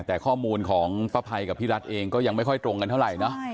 แต่ข้อมูลของป้าภัยกับพี่รัฐเองก็ยังไม่ค่อยตรงกันเท่าไหร่เนอะ